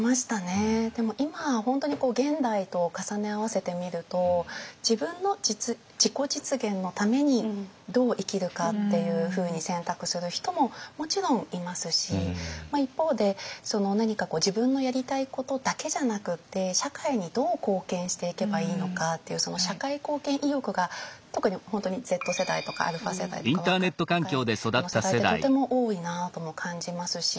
でも今本当に現代と重ね合わせてみると自分の自己実現のためにどう生きるかっていうふうに選択する人ももちろんいますし一方で何か自分のやりたいことだけじゃなくって社会にどう貢献していけばいいのかっていうその社会貢献意欲が特に本当にＺ世代とかα世代とか若い世代ってとても多いなとも感じますし。